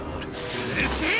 うるせぇ！